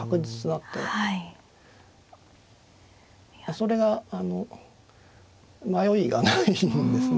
それがあの迷いがないんですね。